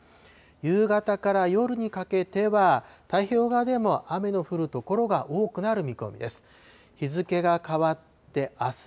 夕方から夜にかけては、太平洋側でも雨の降る所が多くなる見込みです。